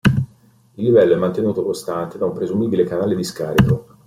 Il livello è mantenuto costante da un presumibile canale di scarico.